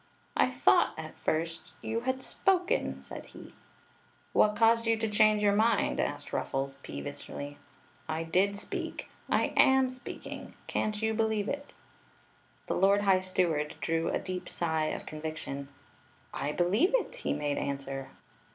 "I thought, at first, you had spoken!" said he. "What caused you to change your mind? asked Ruffles, peevishly. "I did speak — I «w speaking. Can't you believe it?'* The lord high steward drew a deep sigh of con viction. " I believe it ! he made answer.